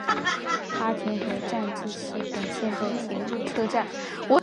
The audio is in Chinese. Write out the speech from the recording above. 阿田和站纪势本线的铁路车站。